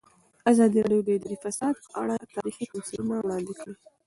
ازادي راډیو د اداري فساد په اړه تاریخي تمثیلونه وړاندې کړي.